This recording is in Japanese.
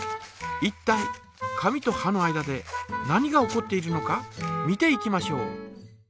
いったい紙とはの間で何が起こっているのか見ていきましょう。